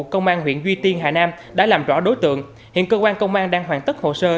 công an huyện duy tiên hà nam đã làm rõ đối tượng hiện cơ quan công an đang hoàn tất hồ sơ